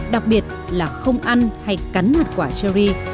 đặc biệt là không ăn hay cắn hạt quả cherry